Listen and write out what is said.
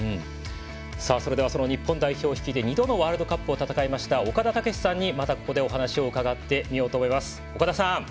それでは日本代表を率いて２度のワールドカップを戦いました、岡田武史さんにまたここでお話を伺ってみようと思います。